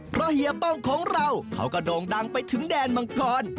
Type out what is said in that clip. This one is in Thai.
เพราะเฮียป้องของเราเขาก็โด่งดังไปถึงแดนมังกร